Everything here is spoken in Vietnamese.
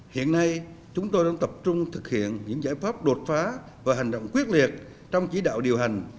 hiện nay chúng tôi đang tập trung thực hiện những giải pháp đột phá và hành động quyết liệt trong chỉ đạo điều hành